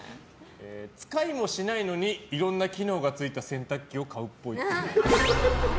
使いもしないのにいろんな機能が付いた洗濯機を買うっぽい。